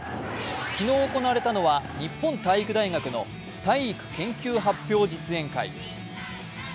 昨日行われたのは日本体育大学の体育研究発表実演会。